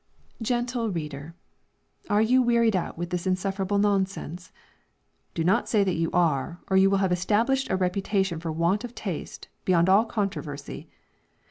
Gentle reader, are you wearied out with this insufferable nonsense? Do not say that you are, or you will have established a reputation for want of taste, beyond all controversy.